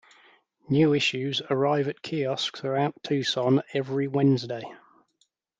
New issues arrive at kiosks throughout Tucson every Wednesday.